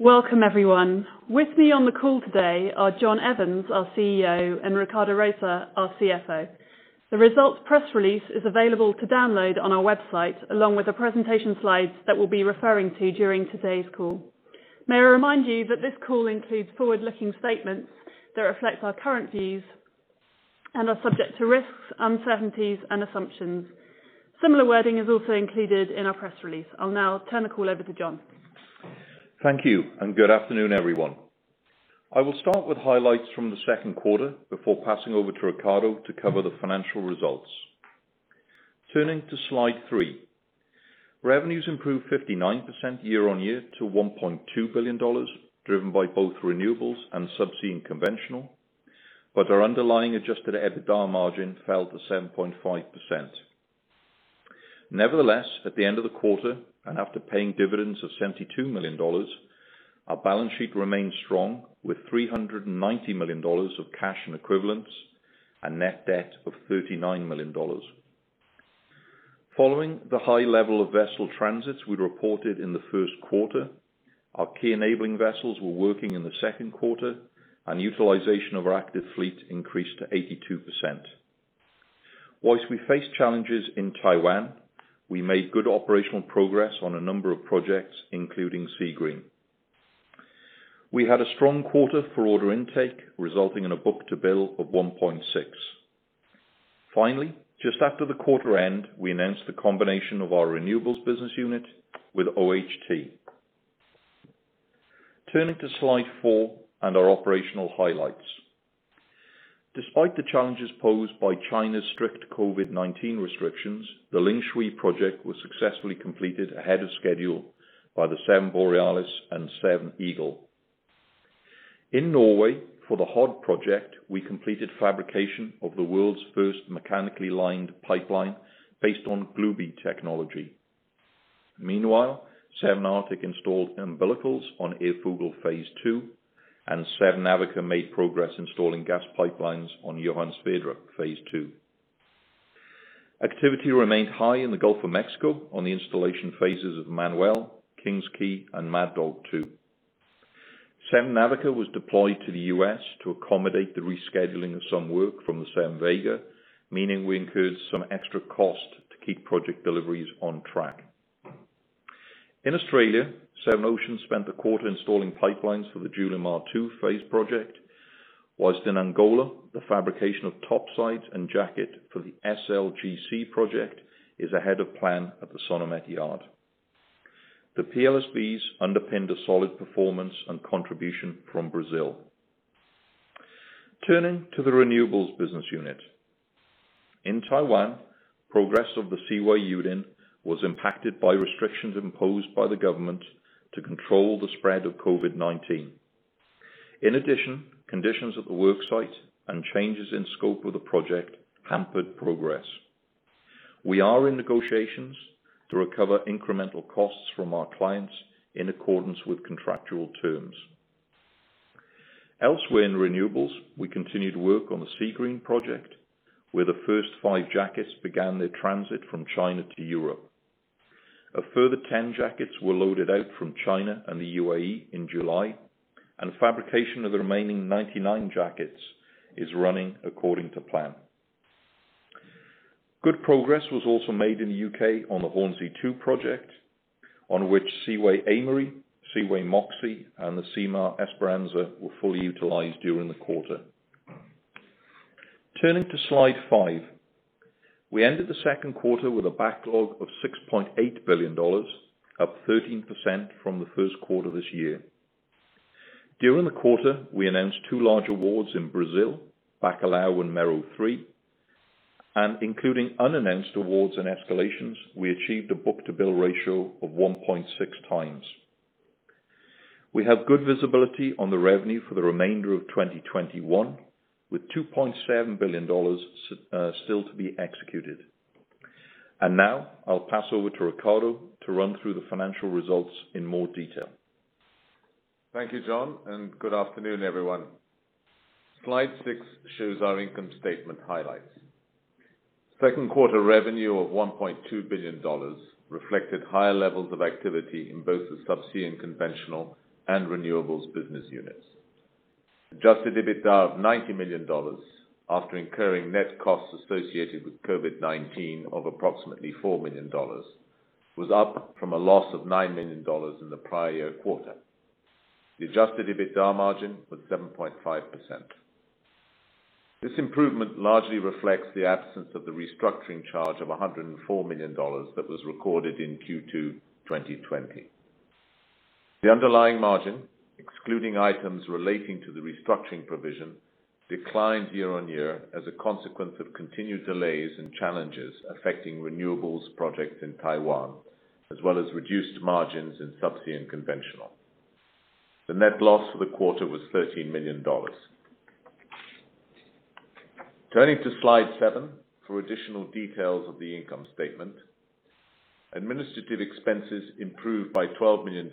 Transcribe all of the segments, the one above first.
Welcome everyone. With me on the call today are John Evans, our CEO, and Ricardo Rosa, our CFO. The results press release is available to download on our website, along with the presentation slides that we'll be referring to during today's call. May I remind you that this call includes forward-looking statements that reflect our current views and are subject to risks, uncertainties, and assumptions. Similar wording is also included in our press release. I'll now turn the call over to John. Thank you. Good afternoon, everyone. I will start with highlights from the second quarter before passing over to Ricardo to cover the financial results. Turning to Slide three. Revenues improved 59% year-on-year to $1.2 billion, driven by both Renewables and Subsea and Conventional, our underlying adjusted EBITDA margin fell to 7.5%. Nevertheless, at the end of the quarter, and after paying dividends of $72 million, our balance sheet remained strong, with $390 million of cash and equivalents and net debt of $39 million. Following the high level of vessel transits we reported in the first quarter, our key enabling vessels were working in the second quarter, utilization of our active fleet increased to 82%. Whilst we face challenges in Taiwan, we made good operational progress on a number of projects, including Seagreen. We had a strong quarter for order intake, resulting in a book-to-bill of 1.6. Finally, just after the quarter end, we announced the combination of our Renewables business unit with OHT. Turning to Slide four and our operational highlights. Despite the challenges posed by China's strict COVID-19 restrictions, the Lingshui project was successfully completed ahead of schedule by the Seven Borealis and Seven Eagle. In Norway, for the Hod project, we completed fabrication of the world's first mechanically lined pipeline based on BuBi technology. Meanwhile, Seven Arctic installed umbilicals on Ærfugl Phase 2, and Seven Navica made progress installing gas pipelines on Johan Sverdrup Phase 2. Activity remained high in the Gulf of Mexico on the installation phases of Manuel, Kings Quay, and Mad Dog 2. Seven Navica was deployed to the U.S. to accommodate the rescheduling of some work from the Seven Vega, meaning we incurred some extra cost to keep project deliveries on track. In Australia, Seven Oceans spent the quarter installing pipelines for the Julimar Phase 2 project, whilst in Angola, the fabrication of topside and jacket for the SLGC project is ahead of plan at the Sonamet yard. The PLSVs underpinned a solid performance and contribution from Brazil. Turning to the Renewables business unit. In Taiwan, progress of the Changfang & Xidao was impacted by restrictions imposed by the government to control the spread of COVID-19. In addition, conditions at the work site and changes in scope of the project hampered progress. We are in negotiations to recover incremental costs from our clients in accordance with contractual terms. Elsewhere in Renewables, we continue to work on the Seagreen project, where the first five jackets began their transit from China to Europe. A further 10 jackets were loaded out from China and the U.A.E. in July, and fabrication of the remaining 99 jackets is running according to plan. Good progress was also made in the U.K. on the Hornsea 2 project, on which Seaway Aimery, Seaway Moxie, and the Simar Esperança were fully utilized during the quarter. Turning to Slide five. We ended the second quarter with a backlog of $6.8 billion, up 13% from the first quarter of this year. During the quarter, we announced two large awards in Brazil, Bacalhau and Mero-3, and including unannounced awards and escalations, we achieved a book-to-bill ratio of 1.6x. We have good visibility on the revenue for the remainder of 2021, with $2.7 billion still to be executed. Now I'll pass over to Ricardo to run through the financial results in more detail. Thank you, John. Good afternoon, everyone. Slide six shows our income statement highlights. Second quarter revenue of $1.2 billion reflected higher levels of activity in both the Subsea and Conventional and Renewables business units. Adjusted EBITDA of $90 million after incurring net costs associated with COVID-19 of approximately $4 million was up from a loss of $9 million in the prior year quarter. The adjusted EBITDA margin was 7.5%. This improvement largely reflects the absence of the restructuring charge of $104 million that was recorded in Q2 2020. The underlying margin, excluding items relating to the restructuring provision, declined year-over-year as a consequence of continued delays and challenges affecting Renewables projects in Taiwan, as well as reduced margins in Subsea and Conventional. The net loss for the quarter was $13 million. Turning to Slide seven for additional details of the income statement. Administrative expenses improved by $12 million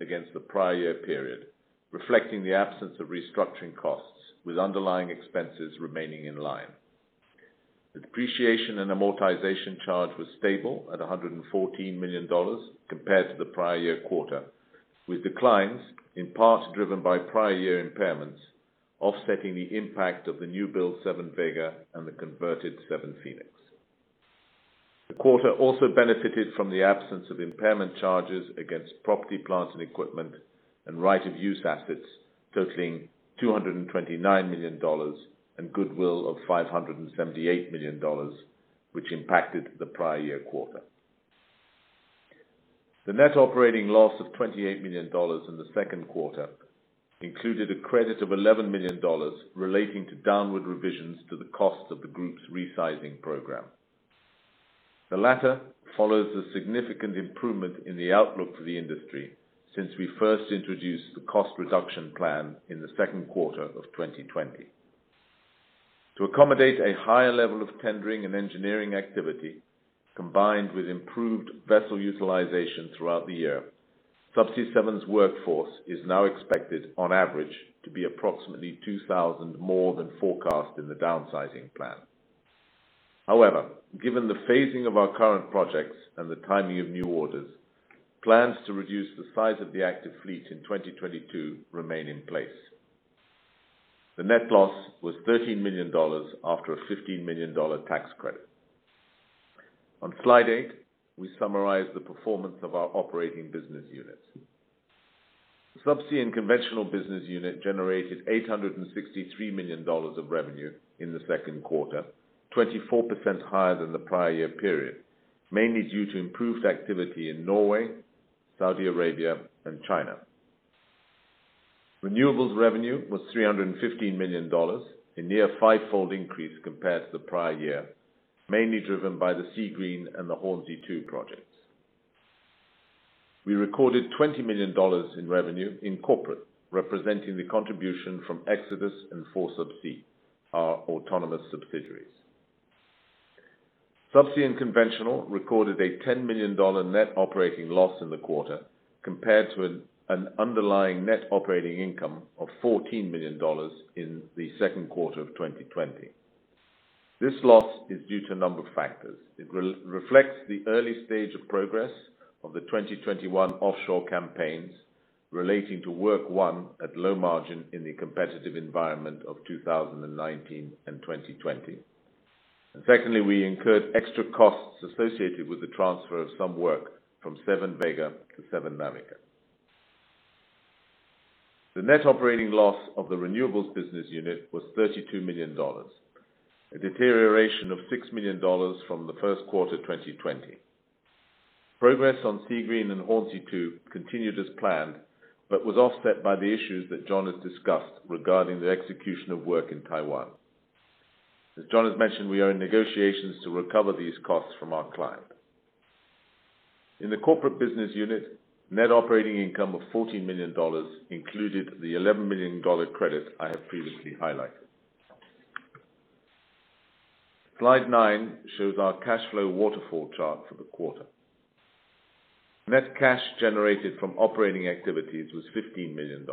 against the prior year period, reflecting the absence of restructuring costs with underlying expenses remaining in line. Depreciation and amortization charge was stable at $114 million compared to the prior year quarter, with declines in part driven by prior year impairments, offsetting the impact of the new build Seven Vega and the converted Seven Phoenix. The quarter also benefited from the absence of impairment charges against property, plant, and equipment and right of use assets totaling $229 million and goodwill of $578 million, which impacted the prior year quarter. The net operating loss of $28 million in the second quarter included a credit of $11 million relating to downward revisions to the cost of the group's resizing program. The latter follows a significant improvement in the outlook for the industry since we first introduced the cost reduction plan in the second quarter of 2020. To accommodate a higher level of tendering and engineering activity, combined with improved vessel utilization throughout the year, Subsea 7's workforce is now expected, on average, to be approximately 2,000 more than forecast in the downsizing plan. Given the phasing of our current projects and the timing of new orders, plans to reduce the size of the active fleet in 2022 remain in place. The net loss was $13 million after a $15 million tax credit. On slide eight, we summarize the performance of our operating business units. The Subsea and Conventional business unit generated $863 million of revenue in the second quarter, 24% higher than the prior year period, mainly due to improved activity in Norway, Saudi Arabia, and China. Renewables revenue was $315 million, a near five-fold increase compared to the prior year, mainly driven by the Seagreen and the Hornsea 2 projects. We recorded $20 million in revenue in Corporate, representing the contribution from Xodus and 4Subsea, our autonomous subsidiaries. Subsea and Conventional recorded a $10 million net operating loss in the quarter compared to an underlying net operating income of $14 million in the second quarter of 2020. This loss is due to a number of factors. It reflects the early stage of progress of the 2021 offshore campaigns relating to work one at low margin in the competitive environment of 2019 and 2020. Secondly, we incurred extra costs associated with the transfer of some work from Seven Vega to Seven Navica. The net operating loss of the Renewables business unit was $32 million, a deterioration of $6 million from the first quarter 2020. Progress on Seagreen and Hornsea 2 continued as planned, but was offset by the issues that John has discussed regarding the execution of work in Taiwan. As John has mentioned, we are in negotiations to recover these costs from our client. In the Corporate business unit, net operating income of $14 million included the $11 million credit I have previously highlighted. Slide nine shows our cash flow waterfall chart for the quarter. Net cash generated from operating activities was $15 million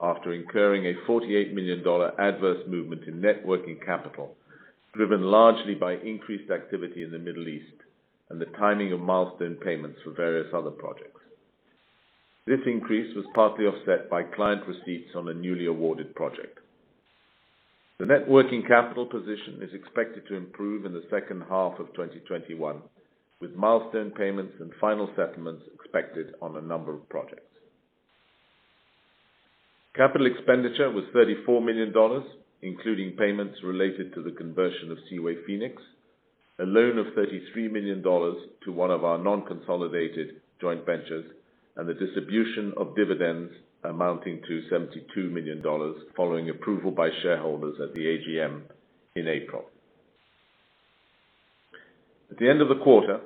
after incurring a $48 million adverse movement in net working capital, driven largely by increased activity in the Middle East and the timing of milestone payments for various other projects. This increase was partly offset by client receipts on a newly awarded project. The net working capital position is expected to improve in the second half of 2021, with milestone payments and final settlements expected on a number of projects. Capital expenditure was $34 million, including payments related to the conversion of Seaway Phoenix, a loan of $33 million to one of our non-consolidated joint ventures, and the distribution of dividends amounting to $72 million following approval by shareholders at the AGM in April. At the end of the quarter,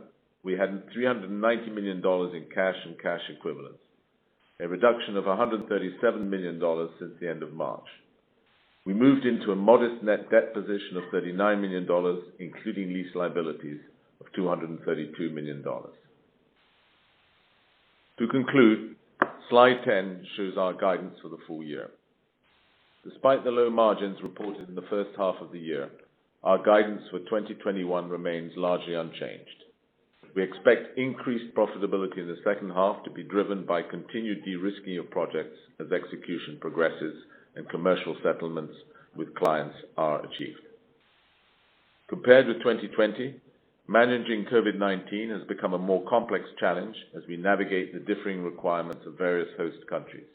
we had $390 million in cash and cash equivalents, a reduction of $137 million since the end of March. We moved into a modest net debt position of $39 million, including lease liabilities of $232 million. To conclude, slide 10 shows our guidance for the full year. Despite the low margins reported in the first half of the year, our guidance for 2021 remains largely unchanged. We expect increased profitability in the second half to be driven by continued de-risking of projects as execution progresses and commercial settlements with clients are achieved. Compared with 2020, managing COVID-19 has become a more complex challenge as we navigate the differing requirements of various host countries.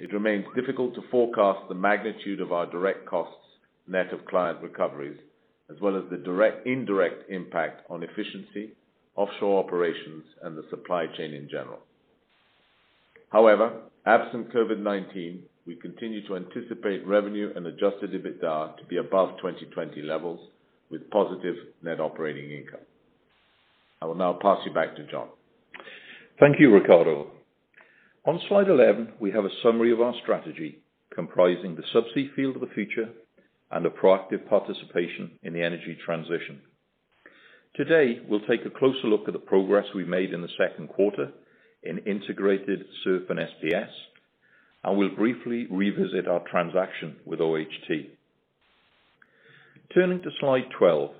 It remains difficult to forecast the magnitude of our direct costs, net of client recoveries, as well as the indirect impact on efficiency, offshore operations, and the supply chain in general. However, absent COVID-19, we continue to anticipate revenue and adjusted EBITDA to be above 2020 levels, with positive net operating income. I will now pass you back to John. Thank you, Ricardo. On slide 11, we have a summary of our strategy comprising the Subsea Field of the Future and a proactive participation in the energy transition. Today, we'll take a closer look at the progress we made in the second quarter in integrated SURF and SPS, and we'll briefly revisit our transaction with OHT. Turning to slide 12.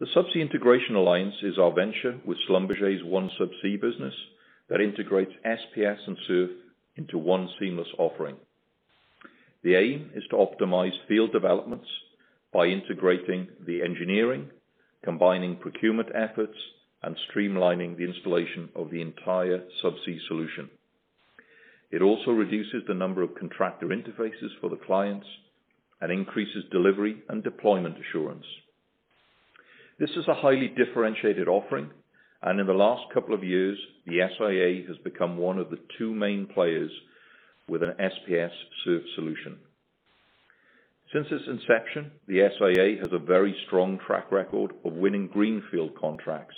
The Subsea Integration Alliance is our venture with SLB's OneSubsea business that integrates SPS and SURF into one seamless offering. The aim is to optimize field developments by integrating the engineering, combining procurement efforts, and streamlining the installation of the entire subsea solution. It also reduces the number of contractor interfaces for the clients and increases delivery and deployment assurance. This is a highly differentiated offering. In the last couple of years, the SIA has become one of the two main players with an SPS SURF solution. Since its inception, the SIA has a very strong track record of winning greenfield contracts,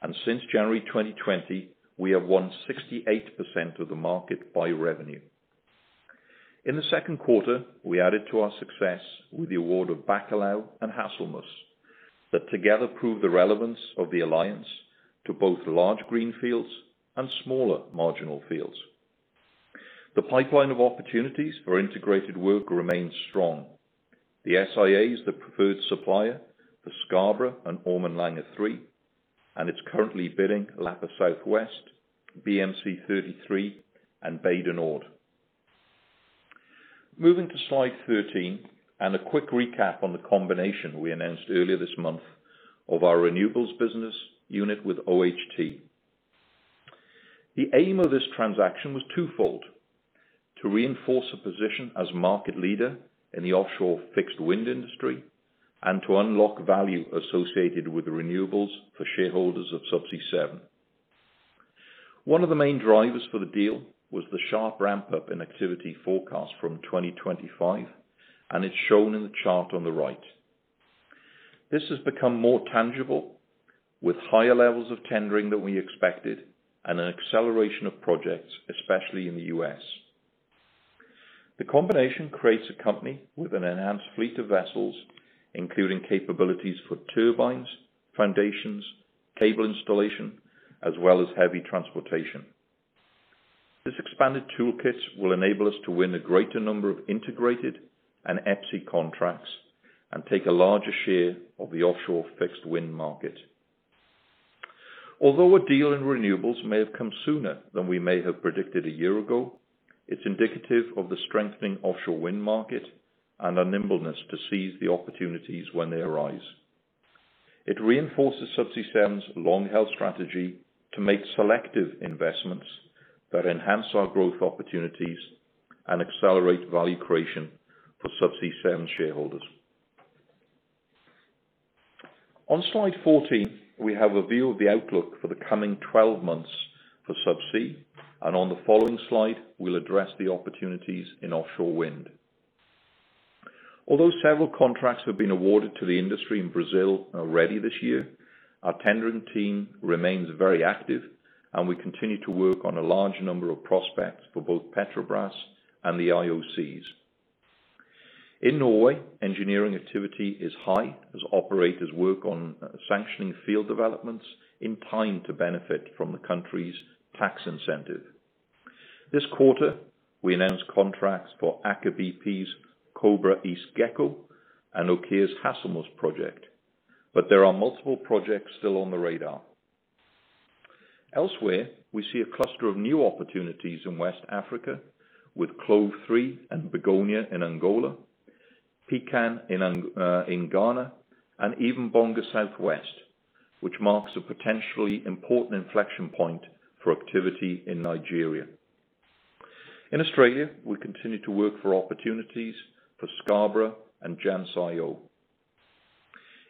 and since January 2020, we have won 68% of the market by revenue. In the second quarter, we added to our success with the award of Bacalhau and Hasselmus, that together prove the relevance of the alliance to both large greenfields and smaller marginal fields. The pipeline of opportunities for integrated work remains strong. The SIA is the preferred supplier for Scarborough and Ormen Lange III, and it's currently bidding Lapa Southwest, BMC 33, and Bay du Nord. Moving to slide 13, and a quick recap on the combination we announced earlier this month of our Renewables business unit with OHT. The aim of this transaction was twofold: to reinforce a position as market leader in the offshore fixed wind industry and to unlock value associated with the renewables for shareholders of Subsea 7. One of the main drivers for the deal was the sharp ramp-up in activity forecast from 2025, and it's shown in the chart on the right. This has become more tangible with higher levels of tendering than we expected and an acceleration of projects, especially in the U.S. The combination creates a company with an enhanced fleet of vessels, including capabilities for turbines, foundations, cable installation, as well as heavy transportation. This expanded toolkit will enable us to win a greater number of integrated and EPIC contracts and take a larger share of the offshore fixed wind market. Although a deal in Renewables may have come sooner than we may have predicted a year ago, it's indicative of the strengthening offshore wind market and our nimbleness to seize the opportunities when they arise. It reinforces Subsea 7's long-held strategy to make selective investments that enhance our growth opportunities and accelerate value creation for Subsea 7 shareholders. On slide 14, we have a view of the outlook for the coming 12 months for Subsea, and on the following slide, we'll address the opportunities in offshore wind. Although several contracts have been awarded to the industry in Brazil already this year, our tendering team remains very active and we continue to work on a large number of prospects for both Petrobras and the IOCs. In Norway, engineering activity is high as operators work on sanctioning field developments in time to benefit from the country's tax incentive. This quarter, we announced contracts for Aker BP's Kobra East Gekko and OKEA's Hasselmus project, but there are multiple projects still on the radar. Elsewhere, we see a cluster of new opportunities in West Africa with CLOV Phase 3 and Begonia in Angola, Pecan in Ghana, and even Bonga Southwest, which marks a potentially important inflection point for activity in Nigeria. In Australia, we continue to work for opportunities for Scarborough and Jansz-Io.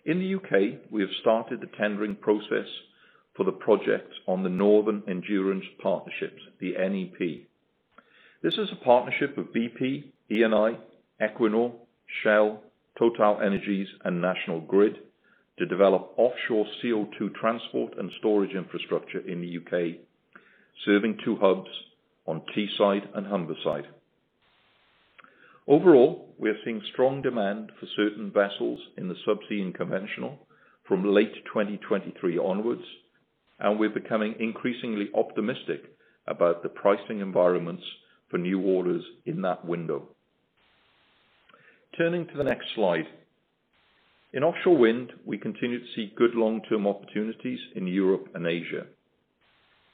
In the U.K., we have started the tendering process for the project on the Northern Endurance Partnership, the NEP. This is a partnership of BP, Eni, Equinor, Shell, TotalEnergies, and National Grid to develop offshore CO2 transport and storage infrastructure in the U.K., serving two hubs on Teesside and Humberside. We are seeing strong demand for certain vessels in the Subsea and Conventional from late 2023 onwards, and we're becoming increasingly optimistic about the pricing environments for new orders in that window. Turning to the next slide. In offshore wind, we continue to see good long-term opportunities in Europe and Asia.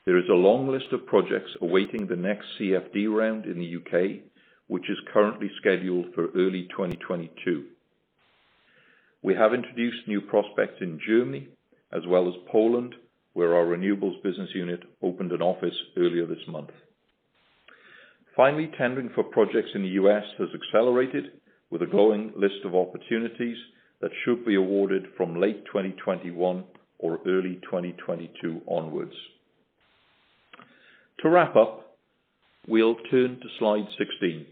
There is a long list of projects awaiting the next CFD round in the U.K., which is currently scheduled for early 2022. We have introduced new prospects in Germany as well as Poland, where our Renewables business unit opened an office earlier this month. Finally, tendering for projects in the U.S. has accelerated with a growing list of opportunities that should be awarded from late 2021 or early 2022 onwards. To wrap up, we'll turn to slide 16.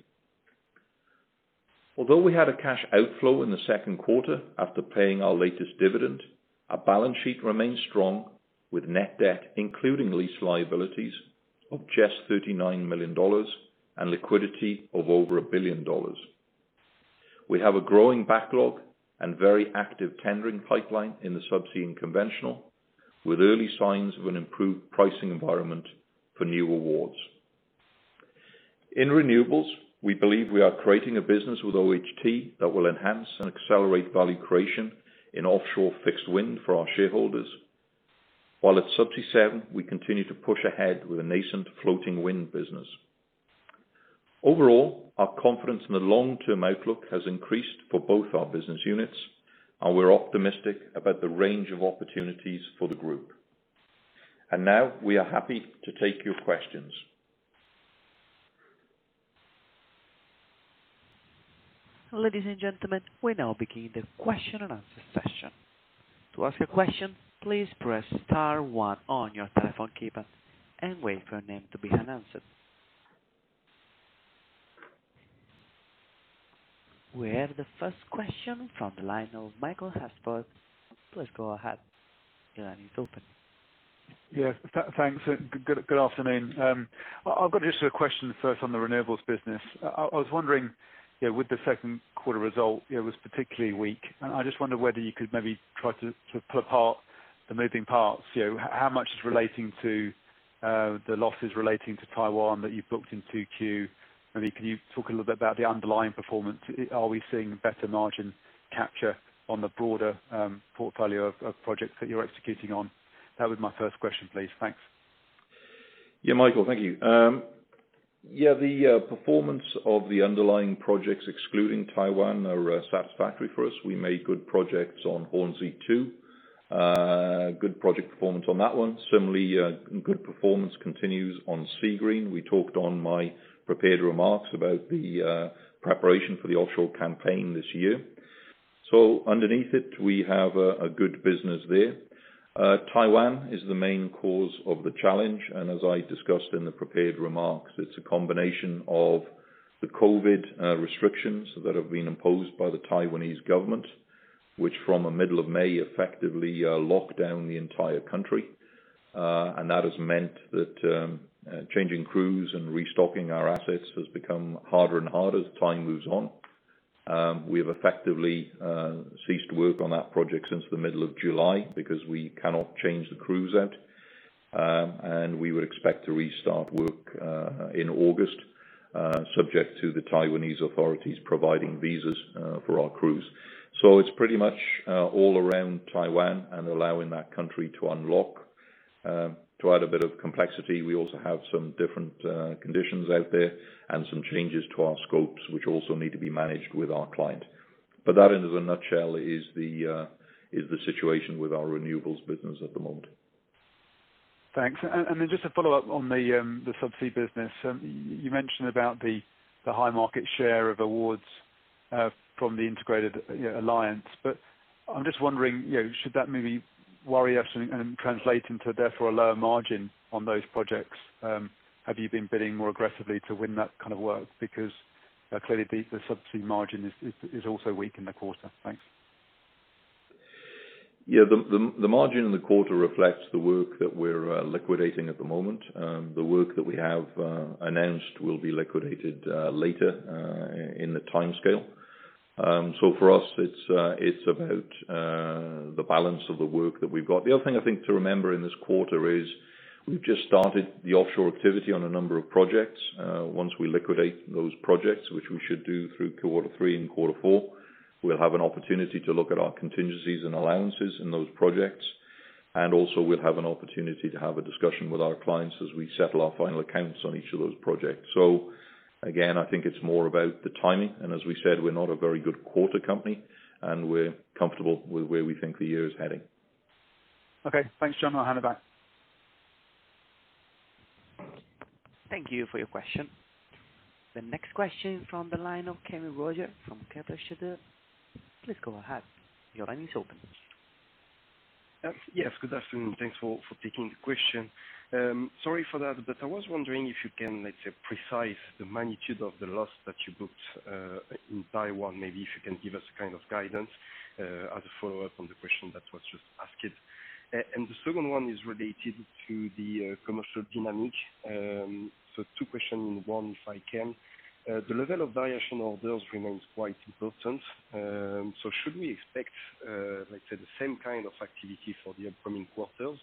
Although we had a cash outflow in the second quarter after paying our latest dividend, our balance sheet remains strong with net debt, including lease liabilities of just $39 million and liquidity of over $1 billion. We have a growing backlog and very active tendering pipeline in the Subsea and Conventional, with early signs of an improved pricing environment for new awards. In Renewables, we believe we are creating a business with OHT that will enhance and accelerate value creation in offshore fixed wind for our shareholders. While at Subsea 7, we continue to push ahead with a nascent floating wind business. Overall, our confidence in the long-term outlook has increased for both our business units, and we're optimistic about the range of opportunities for the group. Now we are happy to take your questions. Ladies and gentlemen, we're now beginning the question and answer session. We have the first question from the line of Michael Alsford. Please go ahead. Your line is open. Yeah. Thanks. Good afternoon. I've got just a question first on the Renewables business. I was wondering with the second quarter result, it was particularly weak, and I just wonder whether you could maybe try to pull apart the moving parts, how much is relating to the losses relating to Taiwan that you've booked in 2Q, and can you talk a little bit about the underlying performance? Are we seeing better margin capture on the broader portfolio of projects that you're executing on? That was my first question, please. Thanks. Michael. Thank you. The performance of the underlying projects excluding Taiwan are satisfactory for us. We made good projects on Hornsea 2. Good project performance on that one. Similarly, good performance continues on Seagreen. We talked on my prepared remarks about the preparation for the offshore campaign this year. Underneath it, we have a good business there. Taiwan is the main cause of the challenge, and as I discussed in the prepared remarks, it's a combination of the COVID restrictions that have been imposed by the Taiwanese government, which from the middle of May effectively locked down the entire country. That has meant that changing crews and restocking our assets has become harder and harder as time moves on. We have effectively ceased work on that project since the middle of July because we cannot change the crews out. We would expect to restart work, in August, subject to the Taiwanese authorities providing visas for our crews. It's pretty much all around Taiwan and allowing that country to unlock. To add a bit of complexity, we also have some different conditions out there and some changes to our scopes, which also need to be managed with our client. That, in a nutshell, is the situation with our Renewables business at the moment. Thanks. Then just a follow-up on the Subsea business. You mentioned about the high market share of awards from the integrated alliance. I'm just wondering, should that maybe worry us and translate into therefore a lower margin on those projects? Have you been bidding more aggressively to win that kind of work? Clearly the Subsea margin is also weak in the quarter. Thanks. Yeah, the margin in the quarter reflects the work that we're liquidating at the moment. The work that we have announced will be liquidated later in the timescale. For us, it's about the balance of the work that we've got. The other thing I think to remember in this quarter is we've just started the offshore activity on a number of projects. Once we liquidate those projects, which we should do through quarter three and quarter four, we'll have an opportunity to look at our contingencies and allowances in those projects, and also we'll have an opportunity to have a discussion with our clients as we settle our final accounts on each of those projects. Again, I think it's more about the timing, and as we said, we're not a very good quarter company, and we're comfortable with where we think the year is heading. Okay. Thanks, John. I'll hand it back. Thank you for your question. The next question from the line of Kévin Roger from Kepler Cheuvreux. Yes. Good afternoon. Thanks for taking the question. Sorry for that, I was wondering if you can, let's say, precise the magnitude of the loss that you booked in Taiwan. Maybe if you can give us kind of guidance, as a follow-up on the question that was just asked. The second one is related to the commercial dynamic. Two question in one, if I can. The level of variation orders remains quite important. Should we expect, let's say, the same kind of activity for the upcoming quarters?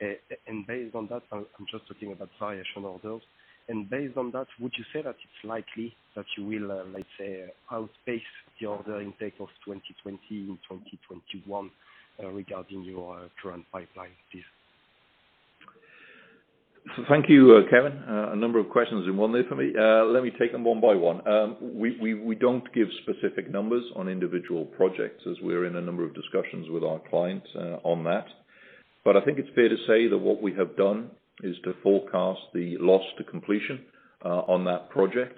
Based on that, I'm just talking about variation orders, and based on that, would you say that it's likely that you will, let's say, outpace the order intake of 2020 in 2021, regarding your current pipeline, please? Thank you, Kevin. A number of questions in one there for me. Let me take them one by one. We don't give specific numbers on individual projects as we're in a number of discussions with our clients on that. I think it's fair to say that what we have done is to forecast the loss to completion on that project,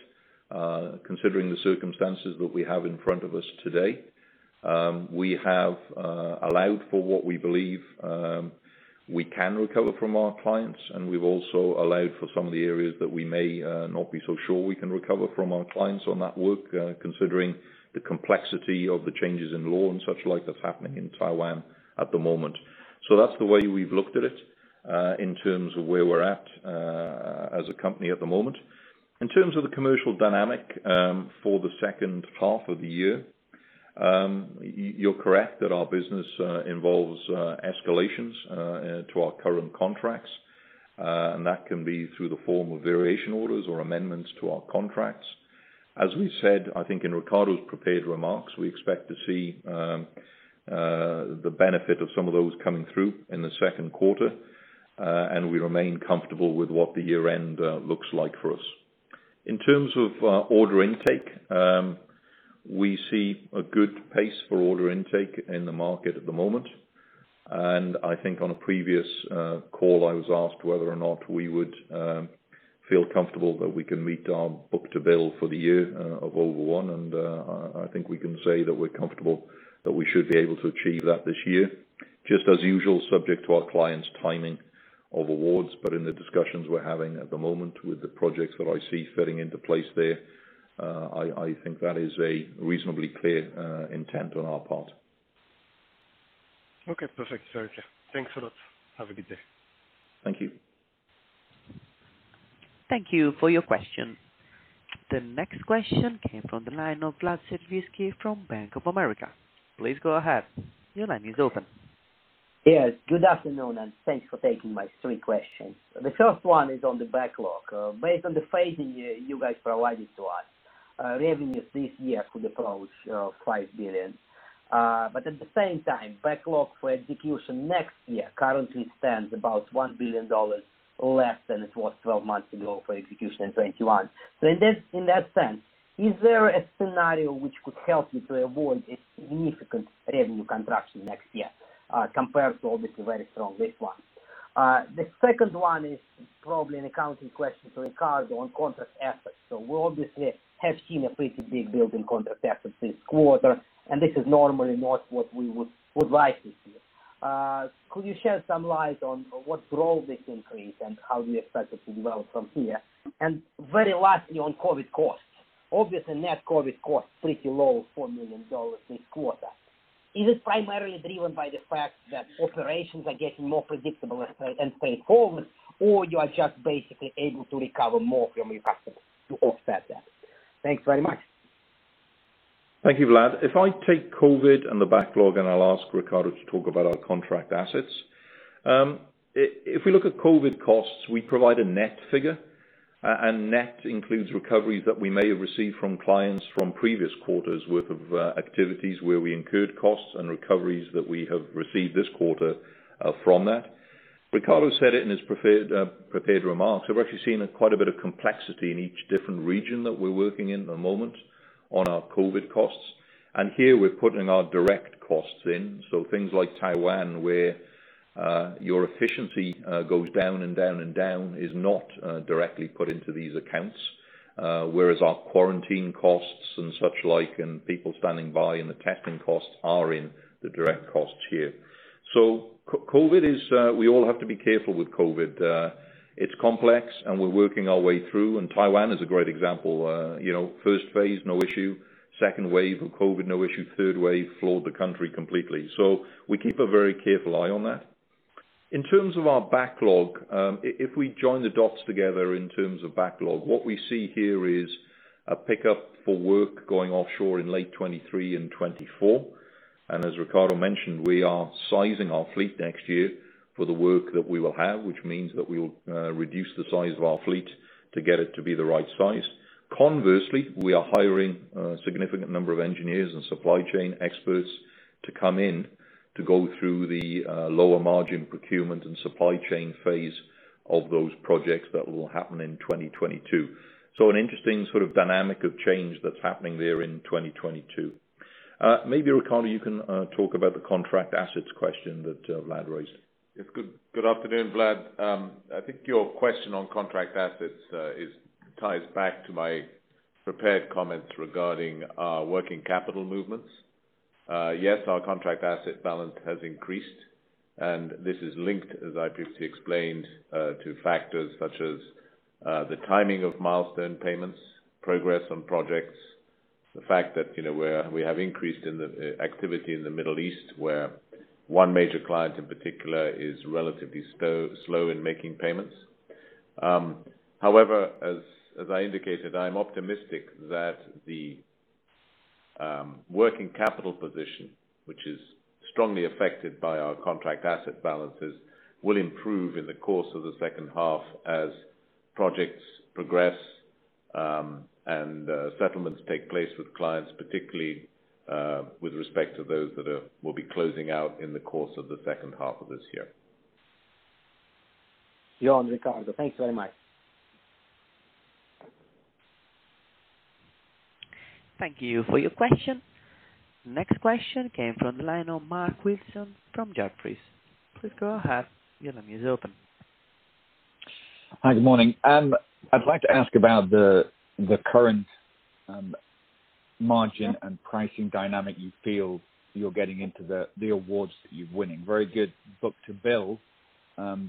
considering the circumstances that we have in front of us today. We have allowed for what we believe we can recover from our clients, and we've also allowed for some of the areas that we may not be so sure we can recover from our clients on that work, considering the complexity of the changes in law and such like that's happening in Taiwan at the moment. That's the way we've looked at it. In terms of where we're at as a company at the moment. In terms of the commercial dynamic for the second half of the year, you are correct that our business involves escalations to our current contracts, and that can be through the form of variation orders or amendments to our contracts. As we said, I think in Ricardo's prepared remarks, we expect to see the benefit of some of those coming through in the second quarter, and we remain comfortable with what the year-end looks like for us. In terms of order intake, we see a good pace for order intake in the market at the moment, and I think on a previous call, I was asked whether or not we would feel comfortable that we can meet our book-to-bill for the year of over one, and I think we can say that we are comfortable that we should be able to achieve that this year. Just as usual, subject to our clients timing of awards, but in the discussions we are having at the moment with the projects that I see fitting into place there, I think that is a reasonably clear intent on our part. Okay, perfect. Sorry. Thanks a lot. Have a good day. Thank you. Thank you for your question. The next question came from the line of Vladimir Sergievskii from Bank of America. Please go ahead. Your line is open. Yes, good afternoon. Thanks for taking my three questions. The first one is on the backlog. Based on the phasing you guys provided to us, revenue this year could approach $5 billion. At the same time, backlog for execution next year currently stands about $1 billion less than it was 12 months ago for execution in 2021. In that sense, is there a scenario which could help you to avoid a significant revenue contraction next year compared to obviously very strong this one? The second one is probably an accounting question to Ricardo on contract assets. We obviously have seen a pretty big build in contract assets this quarter. This is normally not what we would like to see. Could you shed some light on what drove this increase? How do you expect it to develop from here? Very lastly, on COVID-19 costs. Obviously, net COVID costs pretty low, $4 million this quarter. Is it primarily driven by the fact that operations are getting more predictable and straightforward, or you are just basically able to recover more from your customers to offset that? Thanks very much. Thank you, Vlad. If I take COVID and the backlog, and I'll ask Ricardo to talk about our contract assets. If we look at COVID costs, we provide a net figure. Net includes recoveries that we may have received from clients from previous quarters worth of activities where we incurred costs and recoveries that we have received this quarter from that. Ricardo said it in his prepared remarks. We've actually seen quite a bit of complexity in each different region that we're working in at the moment on our COVID costs. Here we're putting our direct costs in, so things like Taiwan, where your efficiency goes down and down and down is not directly put into these accounts. Whereas our quarantine costs and such like, and people standing by and the testing costs are in the direct costs here. We all have to be careful with COVID. It's complex. We're working our way through. Taiwan is a great example. First phase, no issue. Second wave of COVID, no issue. Third wave, floored the country completely. We keep a very careful eye on that. In terms of our backlog, if we join the dots together in terms of backlog, what we see here is a pickup for work going offshore in late 2023 and 2024. As Ricardo mentioned, we are sizing our fleet next year for the work that we will have, which means that we will reduce the size of our fleet to get it to be the right size. Conversely, we are hiring a significant number of engineers and supply chain experts to come in to go through the lower margin procurement and supply chain phase of those projects that will happen in 2022. An interesting sort of dynamic of change that's happening there in 2022. Maybe, Ricardo, you can talk about the contract assets question that Vlad raised. Yes. Good afternoon, Vlad. I think your question on contract assets ties back to my prepared comments regarding our working capital movements. Yes, our contract asset balance has increased, and this is linked, as I previously explained, to factors such as the timing of milestone payments, progress on projects, the fact that we have increased in the activity in the Middle East, where one major client in particular is relatively slow in making payments. However, as I indicated, I am optimistic that the working capital position, which is strongly affected by our contract asset balances, will improve in the course of the second half as projects progress, and settlements take place with clients, particularly, with respect to those that will be closing out in the course of the second half of this year. You're on, Ricardo. Thanks very much. Thank you for your question. Next question came from the line of Mark Wilson from Jefferies. Please go ahead. Your line is open. Hi, good morning. I'd like to ask about the current margin and pricing dynamic you feel you're getting into the awards that you're winning. Very good book-to-bill. The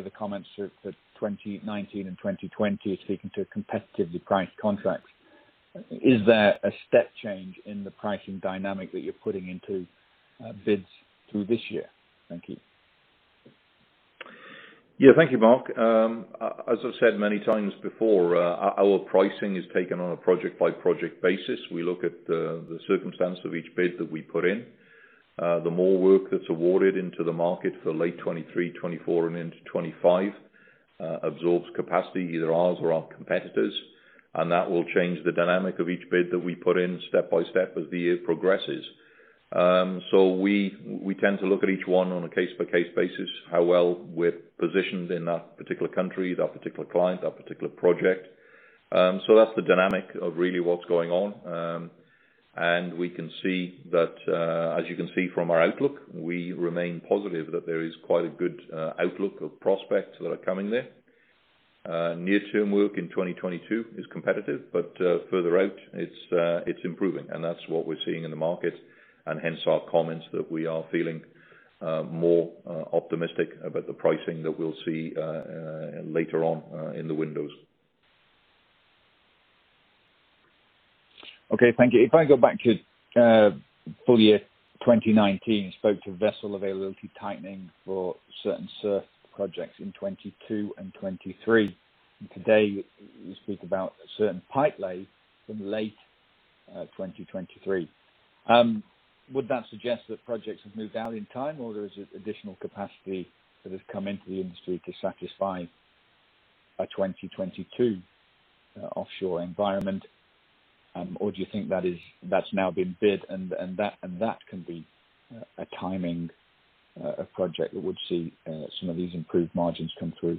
other comments for 2019 and 2020 are speaking to competitively priced contracts. Is there a step change in the pricing dynamic that you're putting into bids through this year? Thank you. Thank you, Mark. As I've said many times before, our pricing is taken on a project-by-project basis. We look at the circumstance of each bid that we put in. The more work that's awarded into the market for late 2023, 2024, and into 2025 absorbs capacity, either ours or our competitors. That will change the dynamic of each bid that we put in step by step as the year progresses. We tend to look at each one on a case-by-case basis, how well we're positioned in that particular country, that particular client, that particular project. That's the dynamic of really what's going on. We can see that, as you can see from our outlook, we remain positive that there is quite a good outlook of prospects that are coming there. Near-term work in 2022 is competitive, further out it's improving. That's what we're seeing in the market, and hence our comments that we are feeling more optimistic about the pricing that we'll see later on in the windows. Okay, thank you. If I go back to full year 2019, you spoke to vessel availability tightening for certain SURF projects in 2022 and 2023. Today you speak about certain pipelay from late 2023. Would that suggest that projects have moved out in time, or there is additional capacity that has come into the industry to satisfy a 2022 offshore environment? Do you think that's now been bid and that can be a timing of project that would see some of these improved margins come through?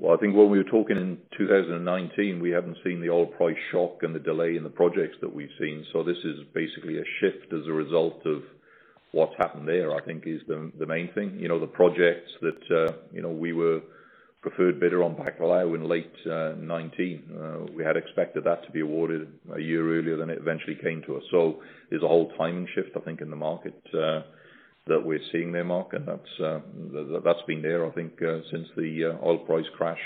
Well, I think when we were talking in 2019, we haven't seen the oil price shock and the delay in the projects that we've seen. This is basically a shift as a result of what's happened there, I think is the main thing. The projects that we were preferred bidder on pipelay in late 2019, we had expected that to be awarded a year earlier than it eventually came to us. There's a whole timing shift, I think, in the market that we're seeing there, Mark, and that's been there, I think, since the oil price crash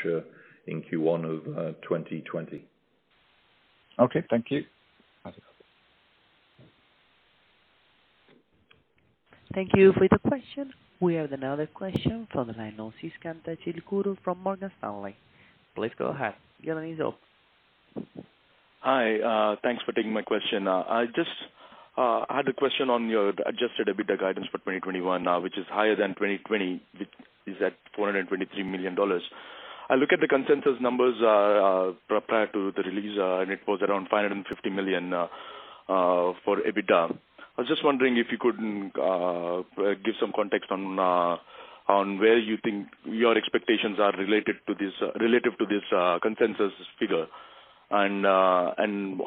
in Q1 of 2020. Okay. Thank you. That's it. Thank you for the question. We have another question from the line of Sasikanth Chilukuru from Morgan Stanley. Please go ahead. Your line is open. Hi. Thanks for taking my question. I just had a question on your adjusted EBITDA guidance for 2021, which is higher than 2020, which is at $423 million. I look at the consensus numbers prior to the release, and it was around $550 million for EBITDA. I was just wondering if you could give some context on where you think your expectations are related to this consensus figure, and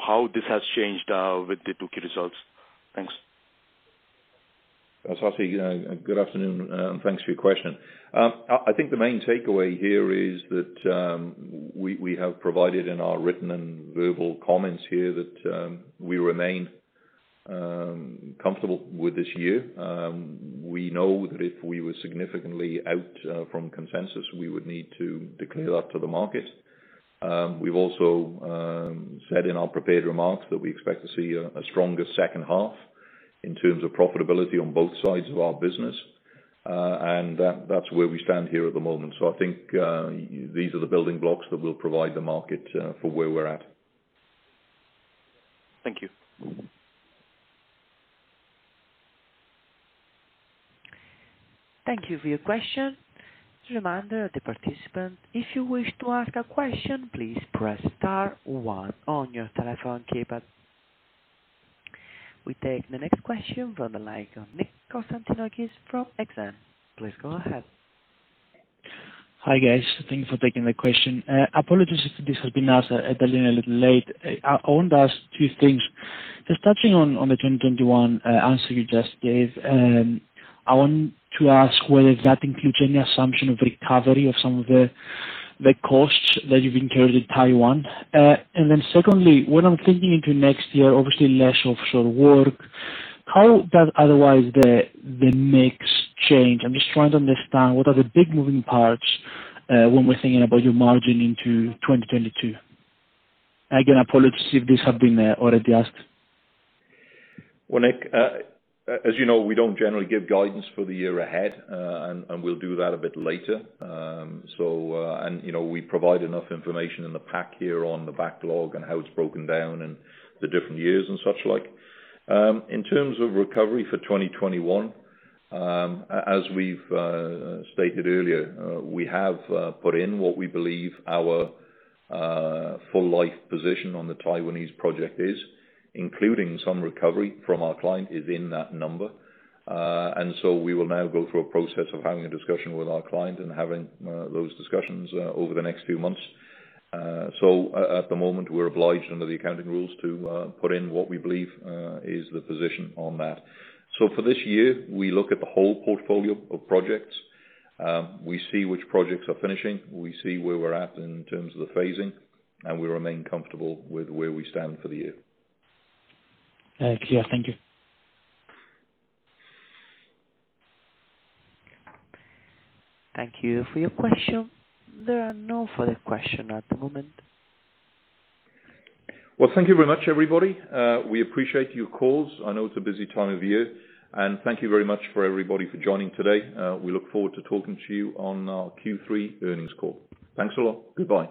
how this has changed with the 2Q results. Thanks. Sasikanth, good afternoon. Thanks for your question. I think the main takeaway here is that we have provided in our written and verbal comments here that we remain comfortable with this year. We know that if we were significantly out from consensus, we would need to declare that to the market. We've also said in our prepared remarks that we expect to see a stronger second half in terms of profitability on both sides of our business. That's where we stand here at the moment. I think these are the building blocks that will provide the market for where we're at. Thank you. Thank you for your question. Just a reminder to participants, if you wish to ask a question, please press star one on your telephone keypad. We take the next question from the line of Nik Konstantakis from Exane. Please go ahead. Hi, guys. Thank you for taking the question. Apologies if this has been asked, dialing in a little late. I want to ask two things. Just touching on the 2021 answer you just gave, I want to ask whether that includes any assumption of recovery of some of the costs that you've incurred in Taiwan. Secondly, when I'm thinking into next year, obviously less offshore work, how does otherwise the mix change? I'm just trying to understand what are the big moving parts, when we're thinking about your margin into 2022. Again, apologies if this has been already asked. Well, Nik, as you know, we don't generally give guidance for the year ahead. We'll do that a bit later. We provide enough information in the pack here on the backlog and how it's broken down in the different years and such like. In terms of recovery for 2021, as we've stated earlier, we have put in what we believe our full life position on the Taiwanese project is, including some recovery from our client is in that number. We will now go through a process of having a discussion with our client and having those discussions over the next few months. At the moment, we're obliged under the accounting rules to put in what we believe is the position on that. For this year, we look at the whole portfolio of projects. We see which projects are finishing, we see where we're at in terms of the phasing. We remain comfortable with where we stand for the year. Clear. Thank you. Thank you for your question. There are no further question at the moment. Well, thank you very much, everybody. We appreciate your calls. I know it's a busy time of year. Thank you very much for everybody for joining today. We look forward to talking to you on our Q3 earnings call. Thanks a lot. Goodbye.